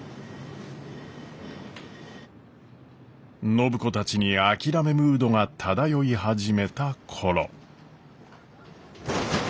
暢子たちに諦めムードが漂い始めた頃。